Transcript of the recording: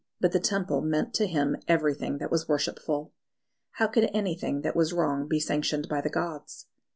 But the Temple meant to him everything that was worshipful. How could anything that was wrong be sanctioned by the gods?